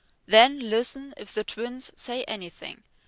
Then listen if the twins say anything.